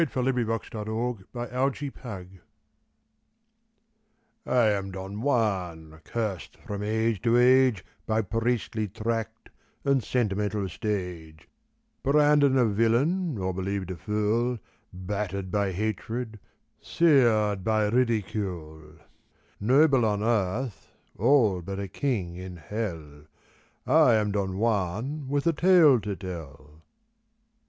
i88 Don Juan Declaims I am Don Juan, curst from age to age By priestly tract and sentimental stage : Branded a villain or believed a fool, Battered by hatred, seared by ridicule, Noble on earth, all but a king in Hell, I am Don Juan with a tale to tell.